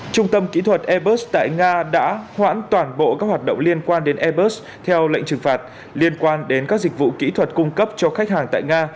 trung tâm kỹ thuật airbus tại nga đã hoãn toàn bộ các hoạt động liên quan đến airbus theo lệnh trừng phạt liên quan đến các dịch vụ kỹ thuật cung cấp cho khách hàng tại nga